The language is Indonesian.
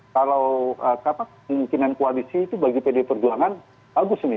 kalau kemungkinan koalisi itu bagi pd perjuangan bagus nih